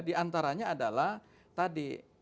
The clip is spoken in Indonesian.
di antaranya adalah tadi